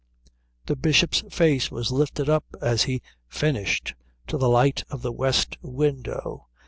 The Bishop's face was lifted up as he finished to the light of the west window.